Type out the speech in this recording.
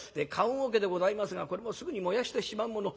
「棺おけでございますがこれもすぐに燃やしてしまうもの。